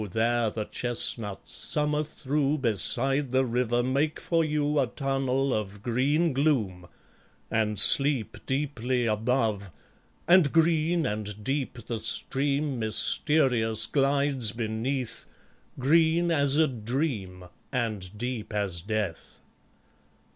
there the chestnuts, summer through, Beside the river make for you A tunnel of green gloom, and sleep Deeply above; and green and deep The stream mysterious glides beneath, Green as a dream and deep as death.